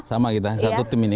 sama kita satu tim ini